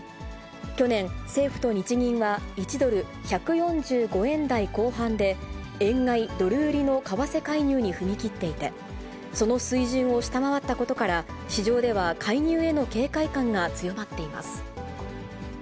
去年、政府と日銀は１ドル１４５円台後半で、円買いドル売りの為替介入に踏み切っていて、その水準を下回ったことから、市場では介入への警戒感が強まっています。